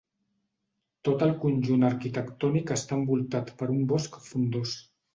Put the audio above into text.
Tot el conjunt arquitectònic està envoltat per un bosc frondós.